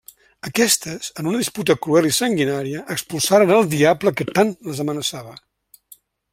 Aquestes, en una disputa cruel i sanguinària, expulsaren el diable que tant les amenaçava.